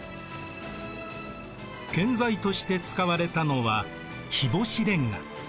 建材として使われたのは日干しレンガ。